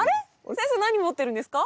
先生何持ってるんですか？